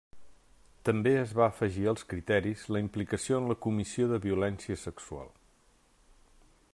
També es va afegir als criteris la implicació en la comissió de violència sexual.